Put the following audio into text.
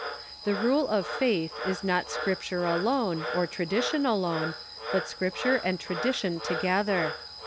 The Rule of Faith is not Scripture alone, or tradition alone, but Scripture and tradition together.